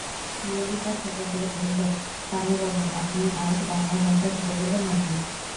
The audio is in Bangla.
ললিতা ঠোকর দিয়া কহিল, পানুবাবু, আপনি আজ বাংলা ভাষা ভুলে গেলেন নাকি?